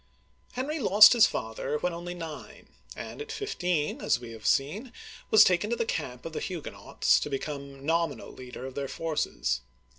Henry lost his father when only nine, and at fifteen, as we have seen, was taken to the camp of the Huguenots to become nominal leader of their forces.